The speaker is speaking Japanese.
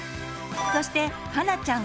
そしてはなちゃん